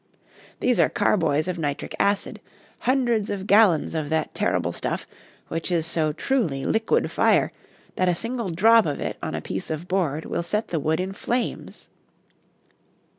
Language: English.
These are carboys of nitric acid, hundreds of gallons of that terrible stuff which is so truly liquid fire that a single drop of it on a piece of board will set the wood in flames.